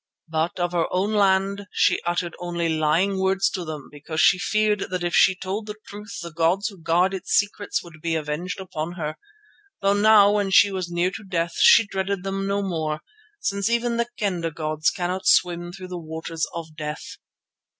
But of her own land she uttered only lying words to them because she feared that if she told the truth the gods who guard its secrets would be avenged on her, though now when she was near to death she dreaded them no more, since even the Kendah gods cannot swim through the waters of death.